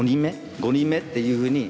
５人目？っていうふうに。